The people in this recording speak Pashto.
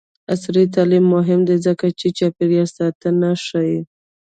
عصري تعلیم مهم دی ځکه چې چاپیریال ساتنه ښيي.